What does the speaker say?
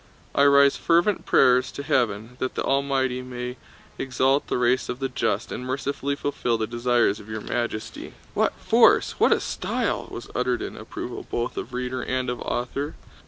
I raise fervent prayers to Heaven that the Almighty may exalt the race of the just, and mercifully fulfill the desires of Your Majesty." "What force! What a style!" was uttered in approval both of reader and of author.